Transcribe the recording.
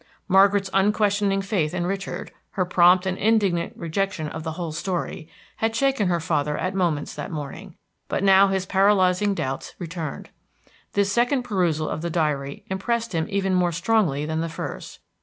Margaret's unquestioning faith in Richard, her prompt and indignant rejection of the whole story, had shaken her father at moments that morning; but now his paralyzing doubts returned. This second perusal of the diary impressed him even more strongly than the first.